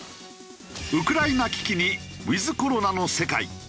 ウクライナ危機にウィズコロナの世界。